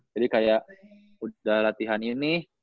jadi kayak udah latihan ini